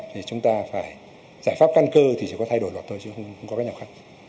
thì chúng ta phải giải pháp căn cơ thì chỉ có thay đổi luật thôi chứ không có cái nghèo khác